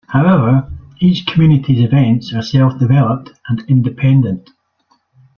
However, each community's events are self developed and independent.